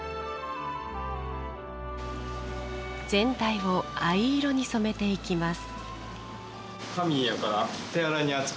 全体を藍色に染めていきます。